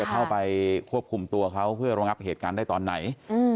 เข้าไปควบคุมตัวเขาเพื่อรองับเหตุการณ์ได้ตอนไหน